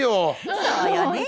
そうよね。